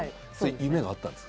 夢があったんですか？